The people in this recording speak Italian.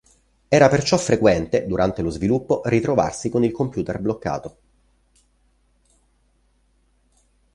Era perciò frequente, durante lo sviluppo, ritrovarsi con il computer bloccato.